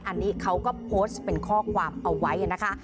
อันนี้เขาก็โพสต์เป็นข้อความเอาไว้นะคะ